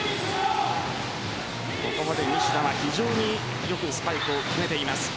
ここまで西田が非常によくスパイクを決めています。